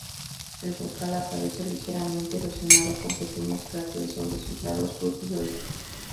El brocal aparece ligeramente erosionado, con pequeños cráteres sobre sus lados sur y oeste.